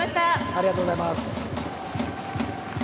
ありがとうございます。